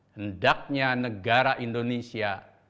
hendaknya negara indonesia